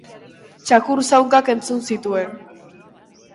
Txakur zaunkak entzun zituen.